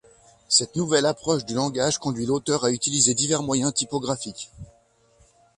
Cette nouvelle approche du langage conduit l'auteur à utiliser divers moyens typographiques.